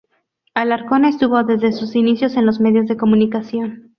Alarcón estuvo desde sus inicios en los medios de comunicación.